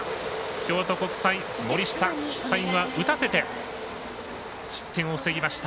京都国際、森下、最後は打たせて失点を防ぎました。